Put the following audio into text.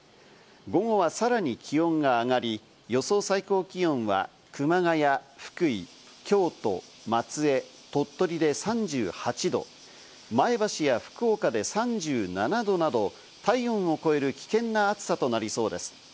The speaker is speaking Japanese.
午後はさらに気温が上がり、予想最高気温は熊谷、福井、京都、松江、鳥取で３８度、前橋や福岡で３７度など体温を超える危険な暑さとなりそうです。